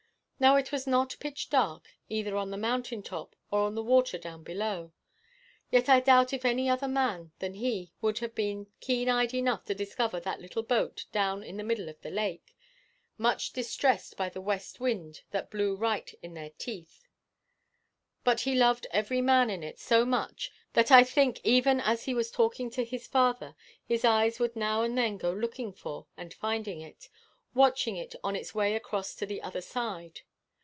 Now, it was not pitch dark either on the mountain top or on the water down below; yet I doubt if any other man than he would have been keen eyed enough to discover that little boat down in the middle of the lake, much distressed by the west wind that blew right in their teeth. But he loved every man in it so much, that I think even as he was talking to his Father, his eyes would now and then go looking for and finding it watching it on its way across to the other side.